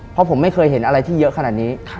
เพราะผมไม่เคยเห็นอะไรที่เยอะขนาดนี้